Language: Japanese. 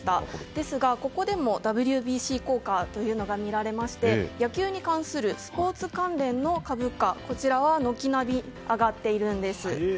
ですが、ここでもＷＢＣ効果というのが見られまして野球に関するスポーツ関連の株価は軒並み上がっているんです。